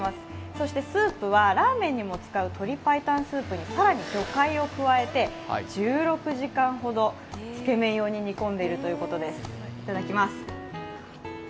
そしてスープにはラーメンにも使う鶏白湯スープに更に魚介を加えて１６時間ほど、つけ麺用に煮込んでいるということです。